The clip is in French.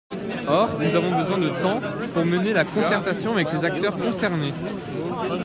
Or, nous avons besoin de temps pour mener la concertation avec les acteurs concernés.